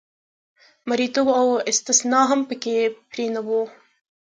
مریتوب او استثمار هم په کې پرېنه و.